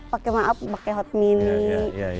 pakai maaf pakai hot mini